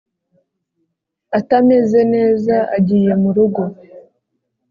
atameze neza agiye murugo.